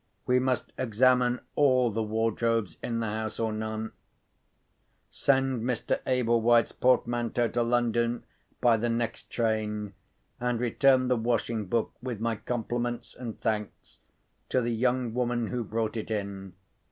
We must examine all the wardrobes in the house or none. Send Mr. Ablewhite's portmanteau to London by the next train, and return the washing book, with my compliments and thanks, to the young woman who brought it in."